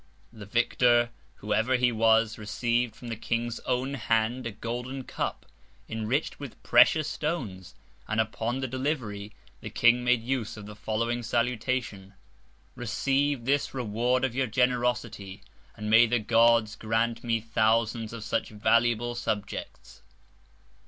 The Victor, whoever he was, receiv'd from the King's own Hand a golden Cup, enrich'd with precious Stones, and upon the Delivery, the King made use of the following Salutation. _Receive this Reward of your Generosity, and may the Gods grant me Thousands of such valuable Subjects!